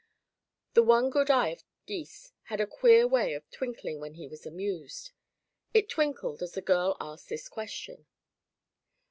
The one good eye of Gys had a queer way of twinkling when he was amused. It twinkled as the girl asked this question.